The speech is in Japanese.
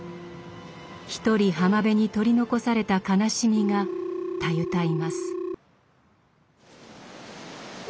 一人浜辺に取り残された悲しみがたゆたいます。